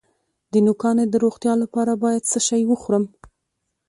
د نوکانو د روغتیا لپاره باید څه شی وخورم؟